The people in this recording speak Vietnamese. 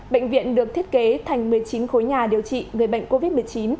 bệnh viện được thiết kế thành một mươi chín khối nhà điều trị người bệnh covid một mươi chín